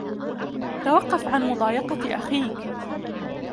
توقف عن مضايقة أخيك!